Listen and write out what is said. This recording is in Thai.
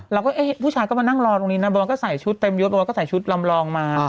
เราก็เอ๊ะผู้ชายก็มานั่งรอตรงนี้นะบอลก็ใส่ชุดเต็มยศบอยก็ใส่ชุดลำรองมา